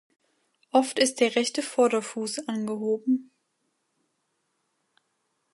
Oft ist der rechte Vorderfuß angehoben.